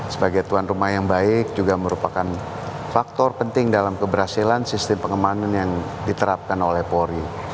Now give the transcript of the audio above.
sebagai tuan rumah yang baik juga merupakan faktor penting dalam keberhasilan sistem pengamanan yang diterapkan oleh polri